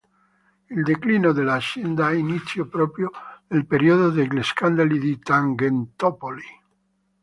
Il declino dell'azienda ha inizio proprio nel periodo degli scandali di Tangentopoli.